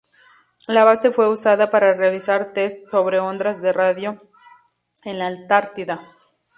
La base fue usada para realizar tests sobre ondas de radio en la Antártida.